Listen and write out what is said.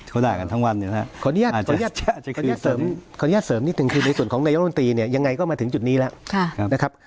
ขออนุญาตเสริมนิดหนึ่งคือในส่วนของนายกรัฐมนตรีเนี่ยยังไงก็มาถึงจุดนี้แล้วนะครับ